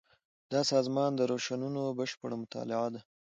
دا د سازمان د روشونو بشپړه مطالعه ده.